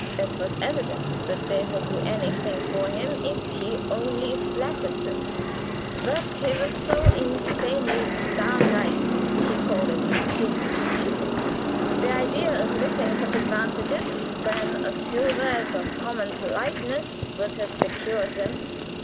It was evident that they would do anything for him if he only flattered them, but he was so insanely downright she called it stupid, she said. The idea of missing such advantages when a few words of common politeness would have secured them.